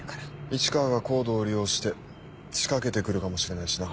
市川がＣＯＤＥを利用して仕掛けてくるかもしれないしな。